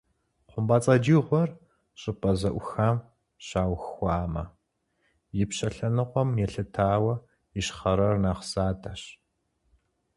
ХъумпӀэцӀэджыгъуэр щӀыпӀэ зэӀухам щаухуамэ, ипщэ лъэныкъуэм елъытауэ ищхъэрэр нэхъ задэщ.